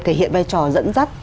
thể hiện vai trò dẫn dắt